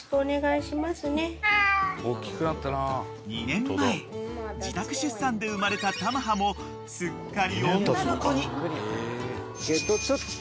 ［２年前自宅出産で生まれた珠葉もすっかり女の子に］